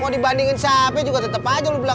kwak dibandingwent carpe juga tetap aja lo bilang abdul